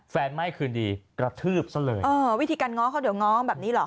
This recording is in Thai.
ไม่คืนดีกระทืบซะเลยเออวิธีการง้อเขาเดี๋ยวง้อแบบนี้เหรอ